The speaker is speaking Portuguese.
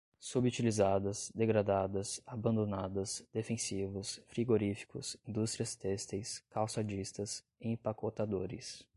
subutilizadas, degradadas, abandonadas, defensivos, frigoríficos, indústrias têxteis, calçadistas, empacotadores